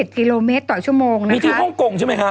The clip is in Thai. กิโลเมตรต่อชั่วโมงนะมีที่ฮ่องกงใช่ไหมคะ